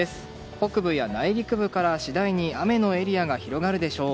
北部や内陸部から次第に雨のエリアが広がるでしょう。